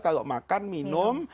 kalau makan minum